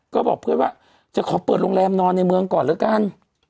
ก็บอกเพื่อนว่าจะขอเปิดโรงแรมนอนในเมืองก่อนแล้วกัน